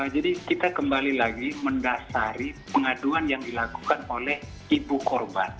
kita kembali lagi mendasari pengaduan yang dilakukan oleh ibu korban